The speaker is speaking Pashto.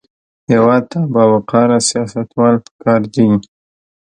هېواد ته باوقاره سیاستوال پکار دي